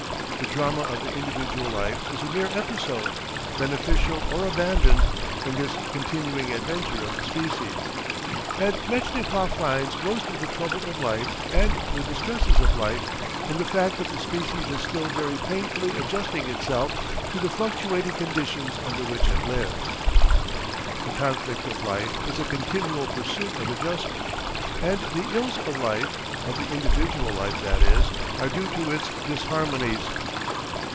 The drama of the individual life is a mere episode, beneficial or abandoned, in this continuing adventure of the species. And Metchnikoff finds most of the trouble of life and the distresses of life in the fact that the species is still very painfully adjusting itself to the fluctuating conditions under which it lives. The conflict of life is a continual pursuit of adjustment, and the "ills of life," of the individual life that is, are due to its "disharmonies."